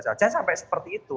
saja sampai seperti itu